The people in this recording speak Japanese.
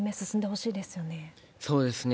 そうですね。